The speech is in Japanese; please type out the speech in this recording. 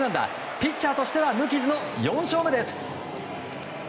ピッチャーとしては無傷の４勝目です。